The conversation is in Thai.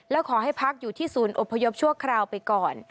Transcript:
แล้วขอให้พักอยู่ที่ศูนย์อพยพชั่วคราวไปก่อน